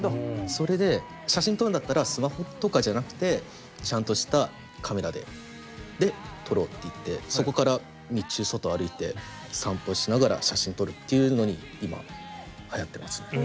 それで写真撮るんだったらスマホとかじゃなくてちゃんとしたカメラでで撮ろうっていってそこから日中外歩いて散歩しながら写真撮るっていうのに今はやってます。